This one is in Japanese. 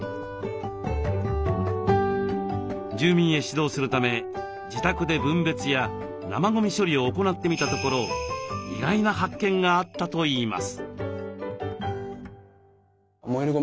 住民へ指導するため自宅で分別や生ゴミ処理を行ってみたところ意外な発見があったといいます。